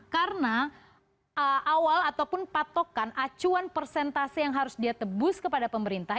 karena awal ataupun patokan acuan persentase yang harus dia tebus kepada pemerintah